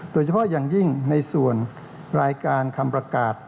โดยเฉพาะอย่างยิ่งในส่วนรายการคำประกาศ